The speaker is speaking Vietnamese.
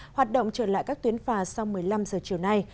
hoạt động trở lại các tuyến phà sau một mươi năm giờ chiều nay